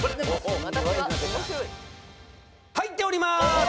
入っております。